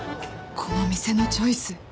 この店のチョイス